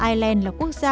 ireland là quốc gia